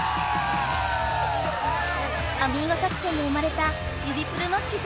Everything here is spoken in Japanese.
アミーゴ作戦で生まれた指プルのきずな！